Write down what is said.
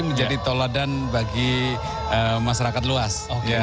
menjadi toladan bagi masyarakat luas